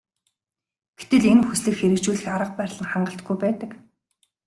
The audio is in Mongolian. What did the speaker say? Гэтэл энэ хүслийг хэрэгжүүлэх арга барил нь хангалтгүй байдаг.